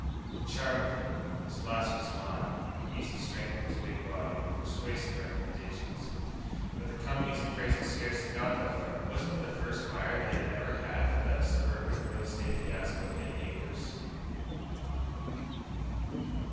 The charm of him, his flashing smile, the easy strength in his big body, were persuasive recommendations. But the Company's appraisal scarcely got that far. Wasn't he the first buyer they had ever had for that suburban real estate fiasco, Hidden Acres...?